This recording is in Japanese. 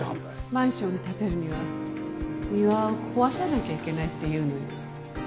マンション建てるには庭を壊さなきゃいけないっていうのよ。